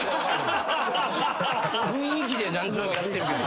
雰囲気で何とかやってるけど。